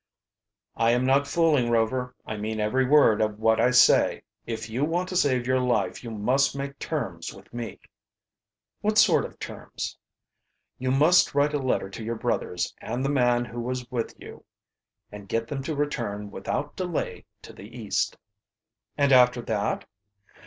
"I am not fooling, Rover, I mean every word of what I say. If you want to save your life you must make terms with me." "What sort of terms?" "You must write a letter to your brothers and the man who was with you and get them to return without delay to the East." "And after that?"